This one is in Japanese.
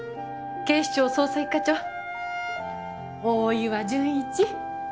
警視庁捜査一課長大岩純一！